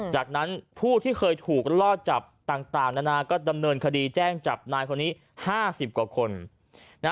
จากนั้นผู้ที่เคยถูกล่อจับต่างนานาก็ดำเนินคดีแจ้งจับนายคนนี้๕๐กว่าคน